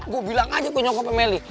gue bilang aja ke nyokapnya meli